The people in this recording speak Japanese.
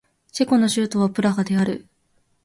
チェコの首都はプラハである